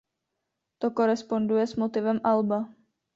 To koresponduje s motivem alba.